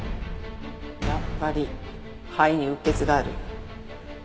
やっぱり肺にうっ血がある。